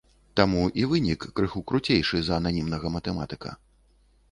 Таму і вынік крыху круцейшы за ананімнага матэматыка.